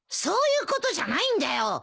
そういうことじゃないんだよ。